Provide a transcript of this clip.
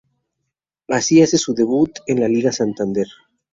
Así hace su debut en la Liga Santander.